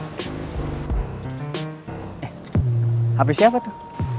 eh hape siapa tuh